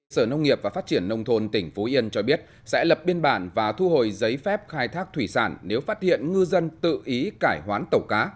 sở nông nghiệp và phát triển nông thôn tỉnh phú yên cho biết sẽ lập biên bản và thu hồi giấy phép khai thác thủy sản nếu phát hiện ngư dân tự ý cải hoán tàu cá